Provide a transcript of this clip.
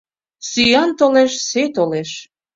Сӱан толеш, сӧй толеш